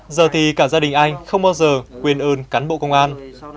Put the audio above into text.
giờ thì cả gia đình anh không bao giờ quên ơn cán bộ công an